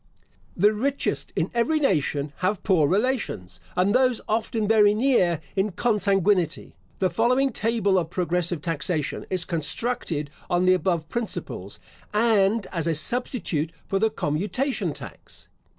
The richest in every nation have poor relations, and those often very near in consanguinity. The following table of progressive taxation is constructed on the above principles, and as a substitute for the commutation tax.